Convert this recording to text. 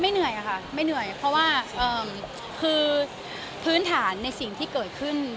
เหนื่อยค่ะไม่เหนื่อยเพราะว่าคือพื้นฐานในสิ่งที่เกิดขึ้น